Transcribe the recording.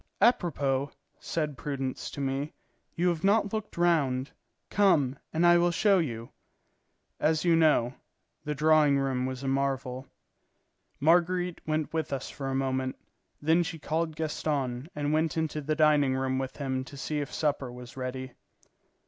"Apropos," said Prudence to me, "you have not looked round; come, and I will show you." As you know, the drawing room was a marvel. Marguerite went with us for a moment; then she called Gaston and went into the dining room with him to see if supper was ready.